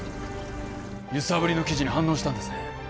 揺さぶりの記事に反応したんですね